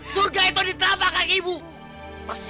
surga itu ditelapakkan ibu